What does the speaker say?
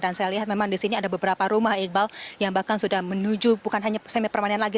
dan saya lihat memang di sini ada beberapa rumah iqbal yang bahkan sudah menuju bukan hanya semi permanen lagi